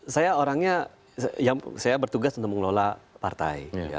saya orangnya yang saya bertugas untuk mengelola partai